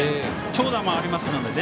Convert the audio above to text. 長打もありますので。